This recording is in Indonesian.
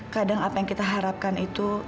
kadang apa yang kita harapkan itu